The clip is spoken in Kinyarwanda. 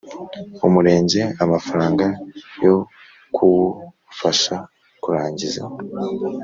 Umurenge amafaranga yo kuwufasha kurangiza